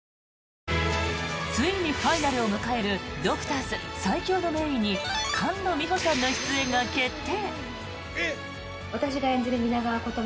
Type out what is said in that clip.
ついにファイナルを迎える「ＤＯＣＴＯＲＳ最強の名医」に菅野美穂さんの出演が決定。